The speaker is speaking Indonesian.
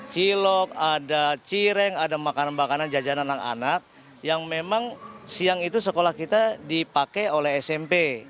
cilok ada cireng ada makanan makanan jajanan anak anak yang memang siang itu sekolah kita dipakai oleh smp